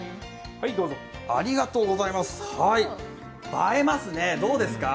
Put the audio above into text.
映えますね、どうですか？